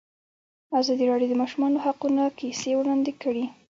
ازادي راډیو د د ماشومانو حقونه کیسې وړاندې کړي.